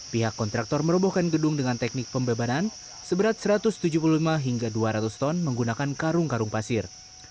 pihak kontraktor merobohkan gedung dengan teknik pembebanan seberat satu ratus tujuh puluh lima hingga dua ratus ton menggunakan karung karung pasir